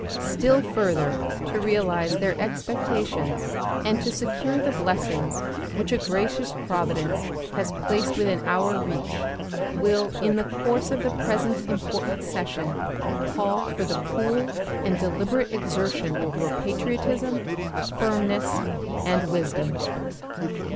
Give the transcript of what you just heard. Still further to realize their expectations and to secure the blessings which a gracious Providence has placed within our reach will in the course of the present important session call for the cool and deliberate exertion of your patriotism, firmness, and wisdom.